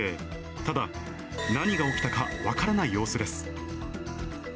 ただ、何が起きたか分からない様子です。